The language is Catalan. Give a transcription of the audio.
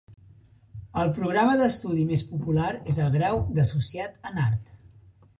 El programa d'estudi més popular és el grau d'associat en Art.